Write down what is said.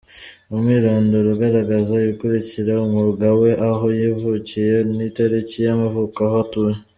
Umwirondoro ugaragaza ibikurikira: Umwuga we, aho yavukiye n’itariki y’amavuko, aho atuye;.